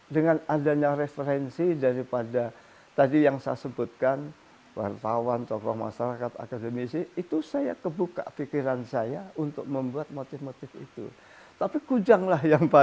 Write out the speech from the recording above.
dan hidup yang harus terus dijaga